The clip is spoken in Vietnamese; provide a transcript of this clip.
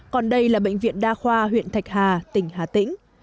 còn đây là bệnh viện đa khoa huyện thạch hà tỉnh hà tĩnh